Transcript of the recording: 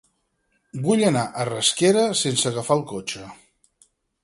Vull anar a Rasquera sense agafar el cotxe.